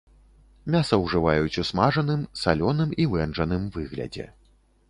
Мяса ўжываюць у смажаным, салёным і вэнджаным выглядзе.